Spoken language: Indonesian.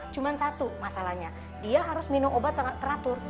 cuma satu masalahnya dia harus minum obat teratur